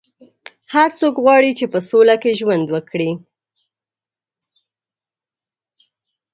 هر څوک غواړي چې په سوله کې ژوند وکړي.